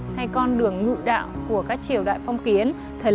hay con đường ngụy đạo của các triều đại phong kiến